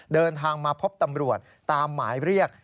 เดินทางมาพบตำรวจตามหมายเรียก